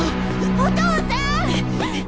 お父さん！